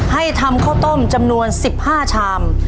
ให้ทำข้าวต้มจำนวน๑๕ชาม